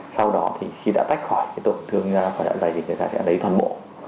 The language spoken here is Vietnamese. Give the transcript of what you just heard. sau đó thì khi đã tách khỏi tổn thương và đạ dày thì người ta sẽ lấy toàn bộ